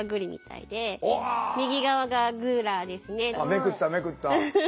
めくっためくった。